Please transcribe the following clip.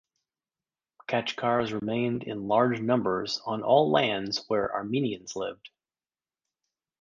Khachkars remained in large numbers on all lands where Armenians lived.